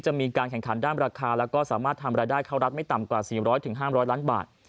จะมีการแข่งขันด้านราคาแล้วก็สามารถทำรายได้เข้ารัฐไม่ต่ำกว่า๔๐๐๕๐๐ล้านบาท